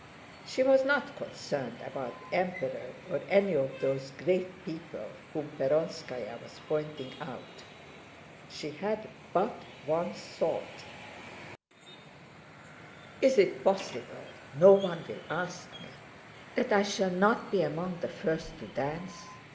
She was not concerned about the Emperor or any of those great people whom Perónskaya was pointing out—she had but one thought: "Is it possible no one will ask me, that I shall not be among the first to dance?